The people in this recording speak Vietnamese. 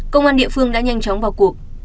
công an địa phương đã nhanh chóng vào cuộc